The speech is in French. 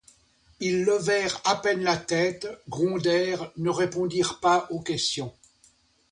Ils levèrent à peine la tête, grondèrent, ne répondirent pas aux questions.